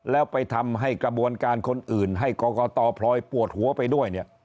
แล้วไปทำให้กระบวนการคนอื่นให้กรกตพลอยปวดหัวไปด้วยเนี่ย